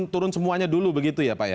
turun semuanya dulu begitu ya pak ya